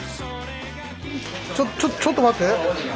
ちょちょっと待って！